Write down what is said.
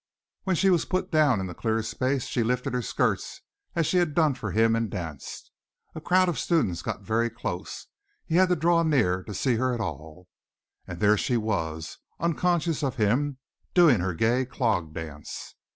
When she was put down in the clear space she lifted her skirts as she had done for him and danced. A crowd of students got very close. He had to draw near to see her at all. And there she was, unconscious of him, doing her gay clog dance.